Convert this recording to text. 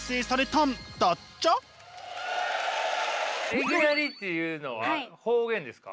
いぎなりというのは方言ですか？